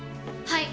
はい。